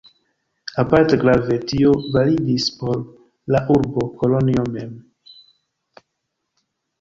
Aparte grave, tio validis por la urbo Kolonjo mem.